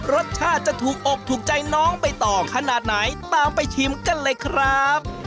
รสชาติจะถูกอกถูกใจน้องไปต่อขนาดไหนตามไปชิมกันเลยครับ